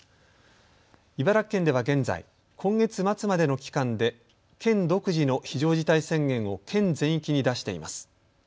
茨城県では現在、今月末までの期間で県独自の非常事態宣言を県全域に出しています。